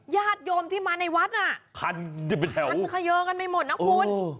ญาติโยมที่มาในวัดน่ะคันเขยอกันไปหมดนะคุณ